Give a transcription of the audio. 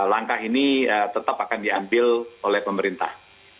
langkah ini tetap akan diambil oleh pemerintah